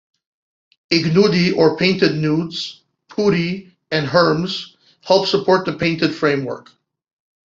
"Ignudi" or painted nudes, putti, and herms help support the painted framework.